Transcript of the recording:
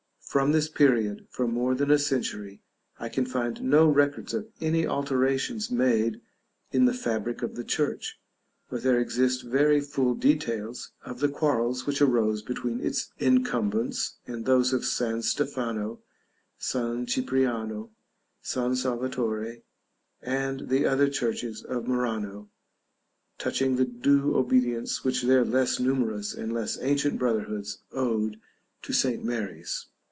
From this period, for more than a century, I can find no records of any alterations made in the fabric of the church, but there exist very full details of the quarrels which arose between its incumbents and those of San Stefano, San Cipriano, San Salvatore, and the other churches of Murano, touching the due obedience which their less numerous or less ancient brotherhoods owed to St. Mary's.